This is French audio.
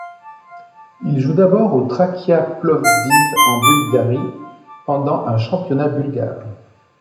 Il joue d'abord au Trakia Plovdiv en Bulgarie pendant en championnat bulgare.